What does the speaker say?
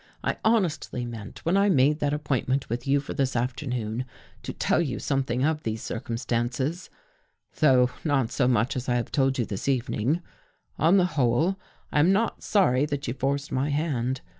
I honestly meant, when I made that ap pointment with you for this afternoon, to tell you something of these circumstances, though not so much as I have told you this evening. On the whole, I am not sorry that you forced my hand.